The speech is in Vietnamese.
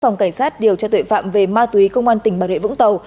phòng cảnh sát điều tra tuệ phạm về ma túy công an tỉnh bà rịa vũng tàu